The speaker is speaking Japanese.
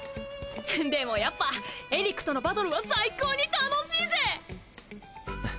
でもやっぱエリックとのバトルは最高に楽しいぜ！